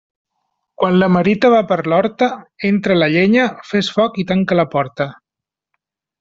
Quan la merita va per l'horta, entra la llenya, fes foc i tanca la porta.